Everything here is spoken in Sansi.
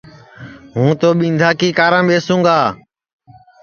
ہوں تو ٻِندھا کی کارام ٻیسوں گا